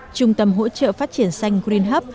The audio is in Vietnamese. trung tâm hỗ trợ phát triển xanh green hub